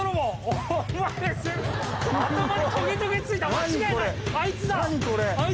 間違いない！